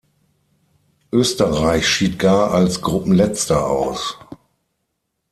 Österreich schied gar als Gruppenletzter aus.